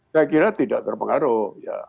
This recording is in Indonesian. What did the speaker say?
saya kira tidak terpengaruh